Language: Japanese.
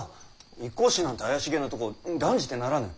一向宗なんて怪しげなとこ断じてならぬ。